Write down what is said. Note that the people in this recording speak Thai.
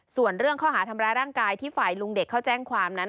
ส่วนเรื่องข้อหาทำร้ายร่างกายที่ฝ่ายลุงเด็กเขาแจ้งความนั้น